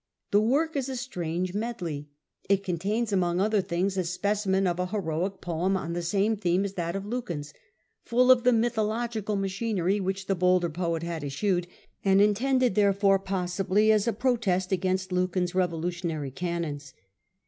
The work is a strange medley. It contains among othei things a specimen of a heroic poem on the same theme as that of Lucan^s, full of the mythological machinery which the bolder poet had eschewed, and intended, there fore, possibly as a protest against Lucan's revolutionary canons.